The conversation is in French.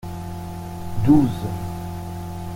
Douze.